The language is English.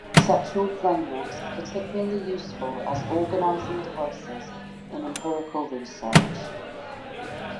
Conceptual frameworks are particularly useful as organizing devices in empirical research.